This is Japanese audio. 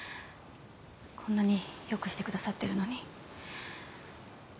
こんなによくしてくださってるのに。